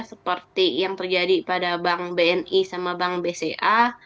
seperti yang terjadi pada bank bni sama bank bca